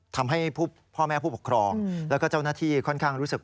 ทำให้พ่อแม่ผู้ปกครองแล้วก็เจ้าหน้าที่ค่อนข้างรู้สึก